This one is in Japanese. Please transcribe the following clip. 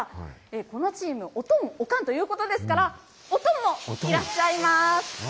このチーム、オトン・オカンということですから、オトンもいらっしゃいます。